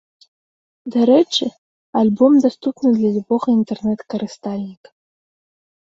Дарэчы, альбом даступны для любога інтэрнэт-карыстальніка.